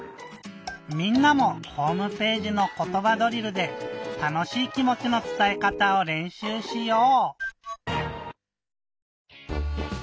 みんなもホームページの「ことばドリル」でたのしい気もちのつたえかたをれんしゅうしよう！